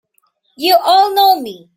You all know me!